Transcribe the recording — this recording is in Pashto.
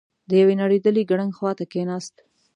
د يوې نړېدلې ګړنګ خواته کېناست.